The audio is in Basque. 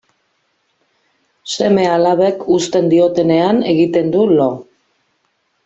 Seme-alabek uzten diotenean egiten du lo.